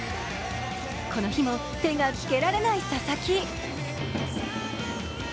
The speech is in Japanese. この日も手がつけられない佐々木。